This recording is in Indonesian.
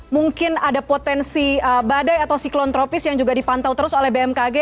mungkin ada potensi badai atau siklon tropis yang juga dipantau terus oleh bmkg